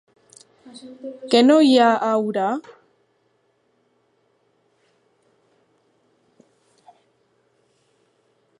Què no hi ha a Urà?